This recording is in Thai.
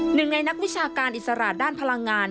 หนึ่งในนักวิชาการอิสระด้านพลังงาน